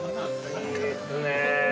いいですね。